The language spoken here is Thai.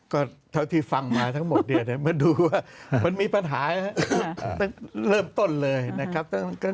ก็เท่าที่ฟังมาทั้งหมดเนี่ยมาดูว่ามันมีปัญหานะครับเริ่มต้นเลยนะครับ